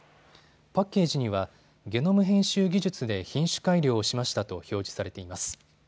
パッケージにはゲノム編集技術で品種改良をしましたと表示されています。